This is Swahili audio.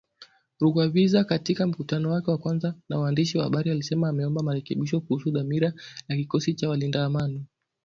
Rugwabiza katika mkutano wake wa kwanza na waandishi wa habari alisema ameomba marekebisho kuhusu dhamira ya kikosi cha walinda amani